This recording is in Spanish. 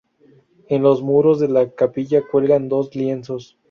En los muros de la capilla cuelgan dos lienzos.